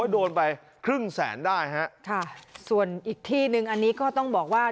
โดนไปครึ่งแสนได้ฮะค่ะส่วนอีกที่หนึ่งอันนี้ก็ต้องบอกว่า